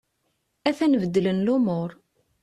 A-t-an beddlen lumur.